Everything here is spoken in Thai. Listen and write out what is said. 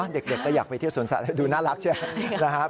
เด็กก็อยากไปที่สวนสัตว์ดูน่ารักใช่ไหม